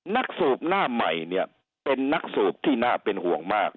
สูบหน้าใหม่เนี่ยเป็นนักสืบที่น่าเป็นห่วงมาก